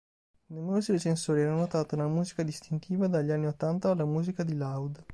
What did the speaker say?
Numerosi recensori hanno notato una musica distintiva dagli anni ottanta alla musica di "Loud".